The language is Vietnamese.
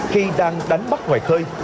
khi đang đánh bắt ngoài khơi